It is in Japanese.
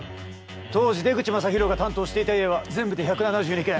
当時出口聖大が担当していた家は全部で１７２軒。